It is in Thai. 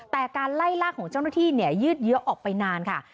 แต่การไล่ลากของเจ้าหน้าที่เนี่ยยืดเยอะออกไปนานค่ะ